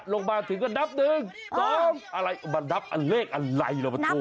ลงมาถึงก็นับหนึ่งสองอะไรนับเลขอะไรล่ะประโทษ